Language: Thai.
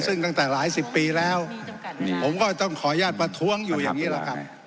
ซึ่งตั้งแต่หลายสิบปีแล้วผมก็ต้องขออนุญาตประท้วงอยู่อย่างนี้แหละครับ